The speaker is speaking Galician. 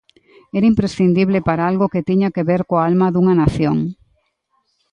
Era imprescindible para algo que tiña que ver coa alma dunha nación.